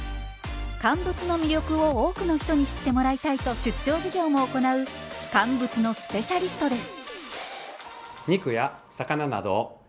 乾物の魅力を多くの人に知ってもらいたいと出張授業も行う乾物のスペシャリストです。